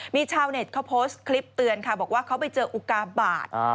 มีชาวเน็ตเขาโพสต์คลิปเตือนค่ะบอกว่าเขาไปเจออุกาบาท